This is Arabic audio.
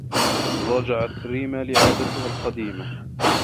رجعت ريمة لعادتها القديمة